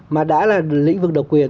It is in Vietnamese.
mà đã là lĩnh vực độc quyền